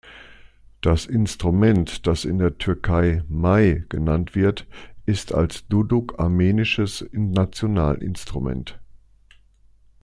Das Instrument, das in der Türkei Mey genannt wird, ist als Duduk armenisches Nationalinstrument.